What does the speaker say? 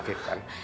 kamu percaya mereka